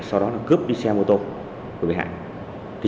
sau đó là cướp đi xe mô tô của bị hại